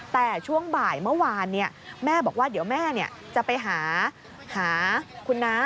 แต่ช่วงบ่ายเมื่อวานแม่บอกว่าเดี๋ยวแม่จะไปหาคุณน้า